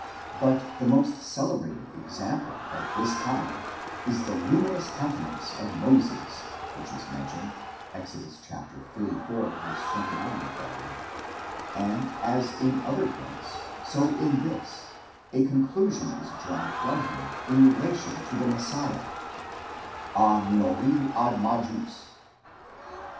1% But the most celebrated example of this kind is the luminous countenance of Moses, which is mentioned, Exod. xxxiv. 29 ff., and as in other points, so in this, a conclusion was drawn from him in relation to the Messiah, @ minori ad majus.